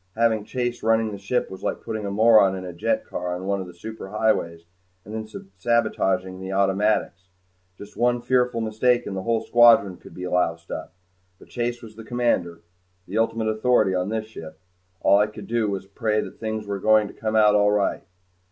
Having Chase running the ship was like putting a moron in a jet car on one of the superhighways and then sabotaging the automatics. Just one fearful mistake and a whole squadron could be loused up. But Chase was the commander the ultimate authority on this ship. All I could do was pray that things were going to come out all right.